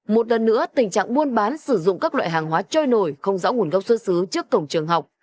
một lần nữa tình trạng buôn bán sử dụng các loại hàng hóa trôi nổi không rõ nguồn gốc xuất xứ trước cổng trường học